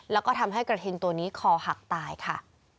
แล้วก็ทำให้กระทิงตัวนี้คอหักตายค่ะ